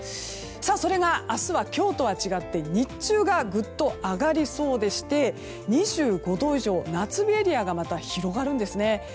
それが明日は、今日とは違って日中がぐっと上がりそうでして２５度以上夏日エリアがまた広がるんです。